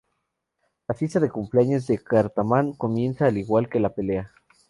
La fiesta de cumpleaños de Cartman comienza, al igual que la pelea.